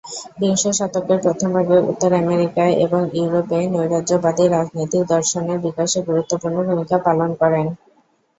বিংশ শতকের প্রথম ভাগে উত্তর আমেরিকা এবং ইউরোপে নৈরাজ্যবাদী রাজনৈতিক দর্শনের বিকাশে গুরুত্বপূর্ণ ভূমিকা পালন করেন।